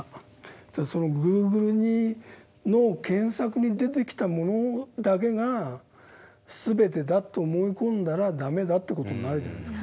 そしたらそのＧｏｏｇｌｅの検索に出てきたものだけが全てだと思い込んだら駄目だって事になるじゃないですか。